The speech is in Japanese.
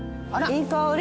いい香り。